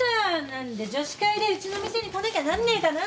何で女子会でうちの店に来なきゃなんねえかな。